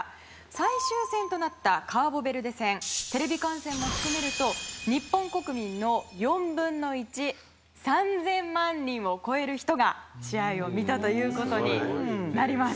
最終戦となったカーボベルデ戦テレビ観戦も含めると日本国民の４分の１３０００万人を超える人が試合を見たことになるんです。